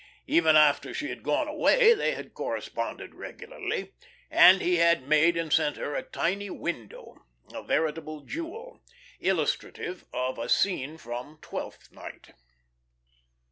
Even after she had gone away they had corresponded regularly, and he had made and sent her a tiny window a veritable jewel illustrative of a scene from "Twelfth Night."